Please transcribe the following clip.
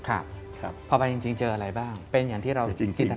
ค่ะพอไปจริงเจออะไรบ้างเป็นอย่างที่เราจิตนาตาได้ไหม